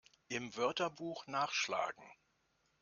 Im Wörterbuch nachschlagen!